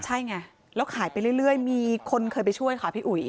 ใช่ไงแล้วขายไปเรื่อยมีคนเคยไปช่วยค่ะพี่อุ๋ย